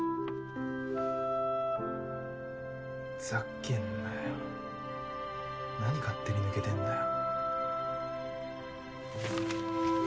ふざけんなよ何勝手に抜けてんだよ。